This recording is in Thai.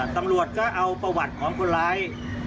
ตำรวจก็เอาประวัติของคนร้าย